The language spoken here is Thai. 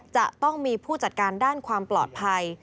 จะต้องมีผู้จัดการด้านความปลอดภัย